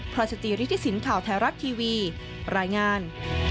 พระจัตริย์ฤทธิสินทร์ข่าวแท้รักทีวีรายงาน